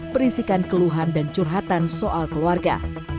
berisikan keluhan dan curhatan soal keluarga